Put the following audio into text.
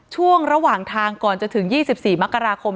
ช่วงระหว่างทางก่อนจะถึง๒๔มกราคม